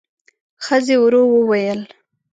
ښځې ورو وویل: